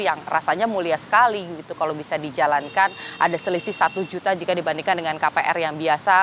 yang rasanya mulia sekali gitu kalau bisa dijalankan ada selisih satu juta jika dibandingkan dengan kpr yang biasa